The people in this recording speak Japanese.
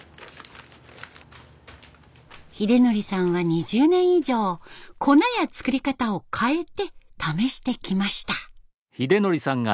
秀則さんは２０年以上粉や作り方を変えて試してきました。